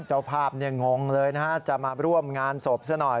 เจ้าภาพงงเลยนะฮะจะมาร่วมงานศพซะหน่อย